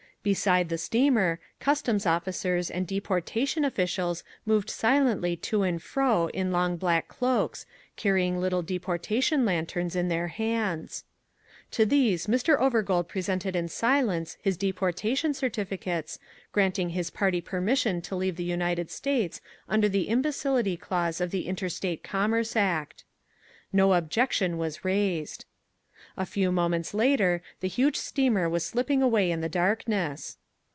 Beside the steamer customs officers and deportation officials moved silently to and fro in long black cloaks, carrying little deportation lanterns in their hands. To these Mr. Overgold presented in silence his deportation certificates, granting his party permission to leave the United States under the imbecility clause of the Interstate Commerce Act. No objection was raised. A few moments later the huge steamer was slipping away in the darkness.